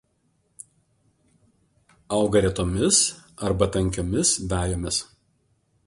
Auga retomis arba tankiomis vejomis.